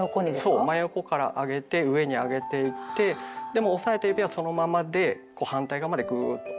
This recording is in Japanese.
そう真横からあげて上にあげていってでも押さえた指はそのままでこう反対側までグーッと。